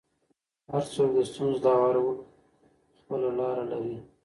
هر څوک د ستونزو د هوارولو خپله لاره لري.